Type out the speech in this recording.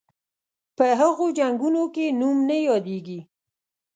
په هغو جنګونو کې نوم نه یادیږي.